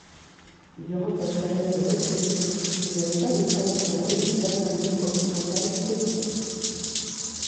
Durant cette période reculée il n’y avait pas de tradition runique germanique occidentale spécifique.